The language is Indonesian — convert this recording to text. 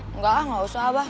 enggak gak usah apaan